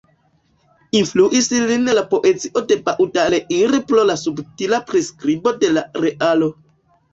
Influis lin la poezio de Baudelaire pro la subtila priskribo de la realo.